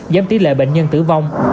giám tỷ lệ bệnh nhân tử vong